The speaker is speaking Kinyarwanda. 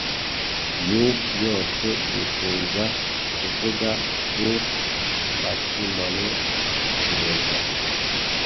Yuh yose yifuza kuvuga bout matrimony, yego